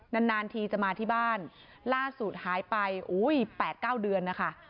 นานนานทีจะมาที่บ้านล่าสุดหายไป๘๙เดือนนะคะ